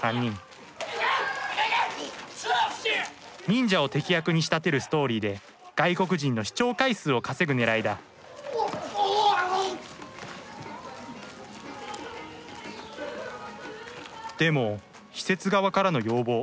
忍者を敵役に仕立てるストーリーで外国人の視聴回数を稼ぐねらいだでも施設側からの要望